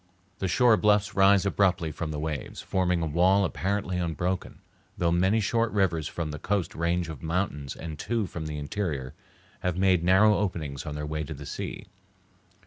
The shore bluffs rise abruptly from the waves, forming a wall apparently unbroken, though many short rivers from the coast range of mountains and two from the interior have made narrow openings on their way to the sea.